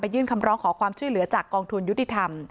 ยื่นคำร้องขอความช่วยเหลือจากกองทุนยุติธรรม